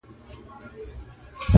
• ویل صاحبه زموږ خو ټول ابرو برباد سوه,